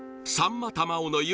ま玉緒の夢